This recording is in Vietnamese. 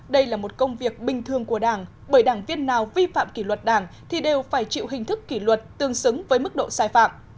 đây là một công việc bình thường của đảng bởi đảng viên nào vi phạm kỷ luật đảng thì đều phải chịu hình thức kỷ luật tương xứng với mức độ sai phạm